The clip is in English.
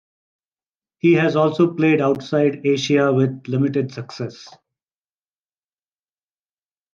He has also played outside Asia with limited success.